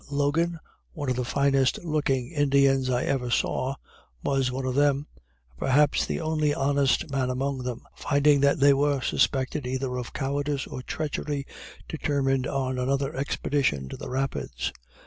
Logan, one of the finest looking Indians I ever saw, was one of them, and perhaps the only honest man among them, finding that they were suspected either of cowardice or treachery, determined on another expedition to the Rapids.